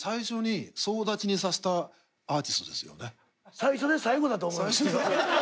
最初で最後だと思いますけど。